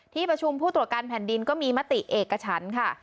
ที่ประชุมผู้ตรวจการแผ่นดินก็มีมติเอกฉันค่ะ